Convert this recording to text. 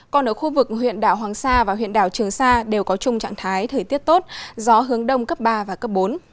còn ở khu vực huyện đảo hoàng sa và huyện đảo trường sa đều có chung trạng thái thời tiết tốt gió hướng đông cấp ba và cấp bốn